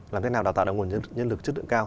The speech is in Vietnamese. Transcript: làm thế nào đào tạo được nguồn nhân lực chất lượng cao